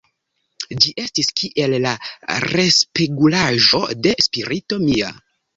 Ĝi estis kiel la respegulaĵo de spirito mia.